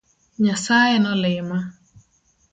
Nyasaye nolima.